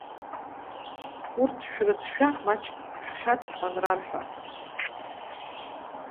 Урҭ шәрыцәшәа, маҷк шәхьаҵ ҳәа анрарҳәа.